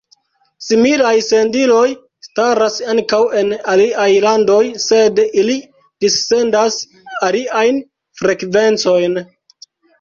Similaj sendiloj staras ankaŭ en aliaj landoj, sed ili dissendas aliajn frekvencojn.